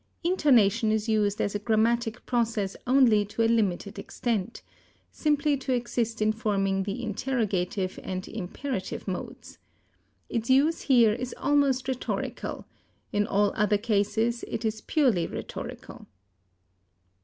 Intonation is used as a grammatic process only to a limited extent simply to assist in forming the interrogative and imperative modes. Its use here is almost rhetorical; in all other cases it is purely rhetorical.